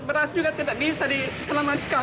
beras juga tidak bisa diselamatkan